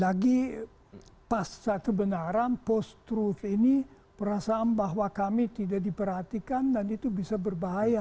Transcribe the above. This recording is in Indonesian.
lagi pasca kebenaran post truth ini perasaan bahwa kami tidak diperhatikan dan itu bisa berbahaya